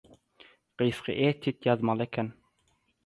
gysga etýid ýazmaly eken.